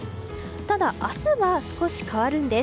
ただ、明日は少し変わるんです。